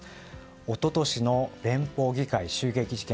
一昨年の連邦議会襲撃事件